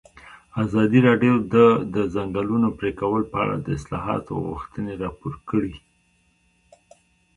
ازادي راډیو د د ځنګلونو پرېکول په اړه د اصلاحاتو غوښتنې راپور کړې.